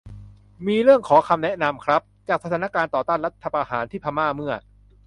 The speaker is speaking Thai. มีเรื่องขอคำแนะนำครับ จากสถานการณ์ต่อต้านรัฐประหารที่พม่า เมื่อ